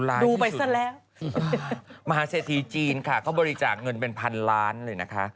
อ้าดูไปซะแล้วมหาเสถียกษัตริย์จีนค่ะเขาบริจาคเงินบนพันล้านเลยนะคะ